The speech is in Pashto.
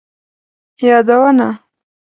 یادونه: